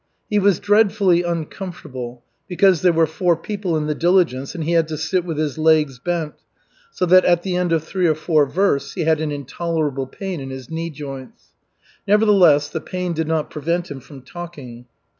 He was dreadfully uncomfortable, because there were four people in the diligence and he had to sit with his legs bent, so that at the end of three or four versts he had an intolerable pain in his knee joints. Nevertheless the pain did not prevent him from talking.